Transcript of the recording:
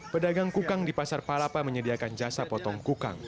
pedagang kukang di pasar palapa menyediakan jasa potong kukang